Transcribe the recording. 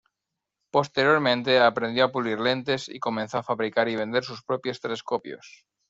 Posteriormente, aprendió a pulir lentes y comenzó a fabricar y vender sus propios telescopios.